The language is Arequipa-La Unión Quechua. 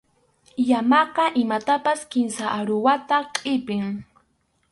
Llamaqa imatapas kimsa aruwata qʼipin.